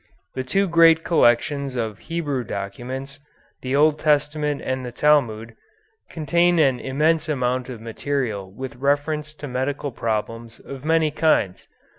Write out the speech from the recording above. The two great collections of Hebrew documents, the Old Testament and the Talmud, contain an immense amount of material with reference to medical problems of many kinds.